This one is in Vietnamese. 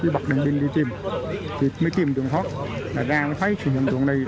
bắt đồng minh đi tìm mới tìm đường thoát ra mới thấy sự hiện tượng này